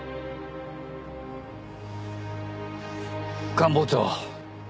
官房長。